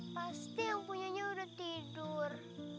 pasti yang punyanya udah tidur